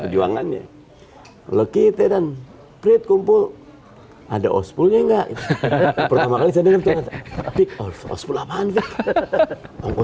perjuangannya lucky dan priet kumpul ada ospulnya enggak pertama kali sedang